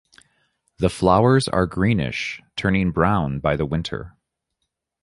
The flowers are greenish, turning brown by the winter.